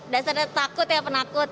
dasarnya takut ya penakut